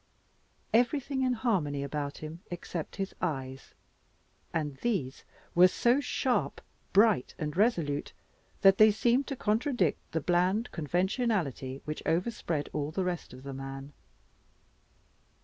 Everything in harmony about him except his eyes, and these were so sharp, bright and resolute that they seemed to contradict the bland conventionality which overspread all the rest of the man.